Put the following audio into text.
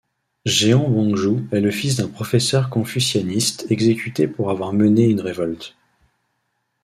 Jeon Bong-jun est le fils d'un professeur confucianiste exécuté pour avoir mené une révolte.